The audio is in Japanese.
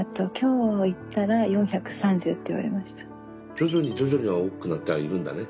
徐々に徐々には大きくなってはいるんだね。